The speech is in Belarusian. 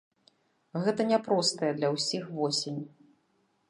Гэта няпростая для ўсіх восень.